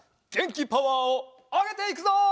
げんきパワーをあげていくぞ！